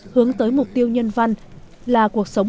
hướng tới mục tiêu nhân văn là cuộc sống